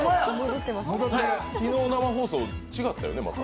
昨日、生放送違ったよね？